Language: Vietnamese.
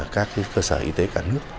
các cơ sở y tế cả nước